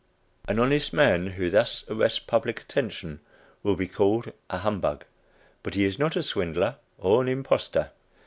An honest man who thus arrests public attention will be called a "humbug," but he is not a swindler or an impostor.